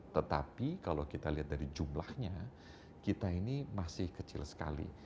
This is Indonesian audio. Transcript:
tetapi kalau kita lihat dari jumlahnya kita ini masih kecil sekali